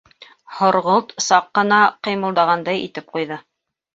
Һорғолт саҡ ҡына ҡыймылдағандай итеп ҡуйҙы.